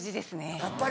やっぱり。